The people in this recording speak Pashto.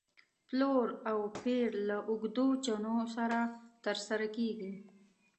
پلور او پېر له اوږدو چنو سره تر سره کېږي.